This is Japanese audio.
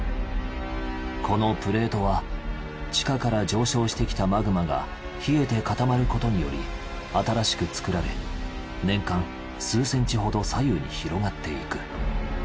このプレートは地下から上昇してきたマグマが冷えて固まることにより新しく作られ年間数センチほど左右に広がっていく。